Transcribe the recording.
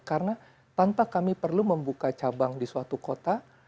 karena tanpa kami perlu membuka cabang di suatu kota